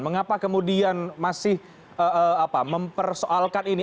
mengapa kemudian masih mempersoalkan ini